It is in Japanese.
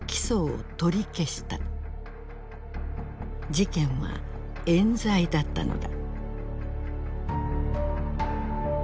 事件は冤罪だったのだ。